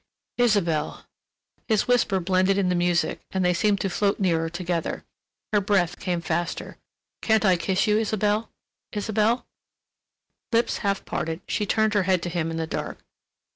"Isabelle!" His whisper blended in the music, and they seemed to float nearer together. Her breath came faster. "Can't I kiss you, Isabelle—Isabelle?" Lips half parted, she turned her head to him in the dark.